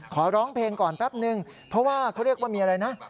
ขอร้องเพลงก่อนแป๊บนึงเพราะว่าเขาเรียกว่ามีอะไรนะ